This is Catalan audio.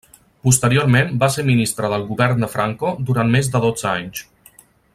Posteriorment va ser ministre del Govern de Franco durant més de dotze anys.